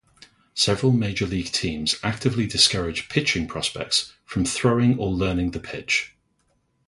Several major league teams actively discourage pitching prospects from throwing or learning the pitch.